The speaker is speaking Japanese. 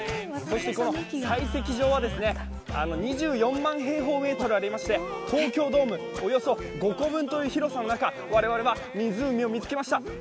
この採石場は２４万平方メートルありまして東京ドームおよそ５個分という広さの中、我々は湖を見つけました。